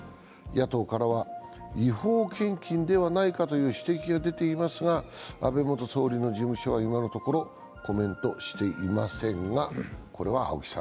野党からは違法献金ではないかという指摘が出ていますが、安倍元総理の事務所は今のところ、コメントしていませんが。